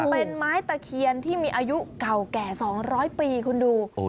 เป็นไม้ตะเคียนที่มีอายุเก่าแก่๒๐๐ปีคุณดู